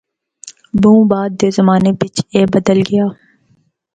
بہوں بعد دے زمانے وچ اے بدل گیا۔